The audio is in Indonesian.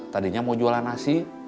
tadinya mau jualan nasi